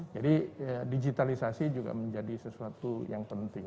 jadi digitalisasi juga menjadi sesuatu yang penting